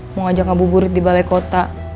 mau ngajak abu burut di balai kota